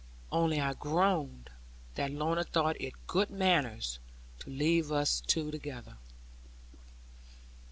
Only I groaned that Lorna thought it good manners to leave us two together.